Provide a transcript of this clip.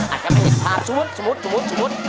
อาจจะพูดสมมุติ